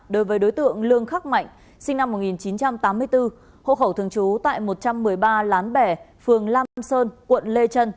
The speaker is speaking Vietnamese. đối với đối tượng lương khắc mạnh sinh năm một nghìn chín trăm tám mươi bốn hộ khẩu thường trú tại một trăm một mươi ba lán bè phường lam sơn quận lê trân